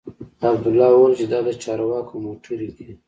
عبدالله وويل چې دا د چارواکو موټرې دي.